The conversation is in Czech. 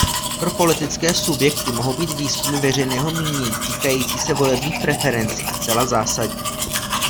Pro politické subjekty mohou být výzkumy veřejného mínění týkající se volebních preferencí zcela zásadní.